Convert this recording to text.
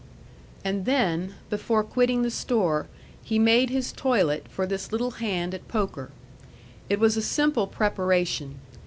And then, before quitting the store, he made his toilet for this little hand at poker. It was a simple preparation.